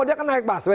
dia akan naik pas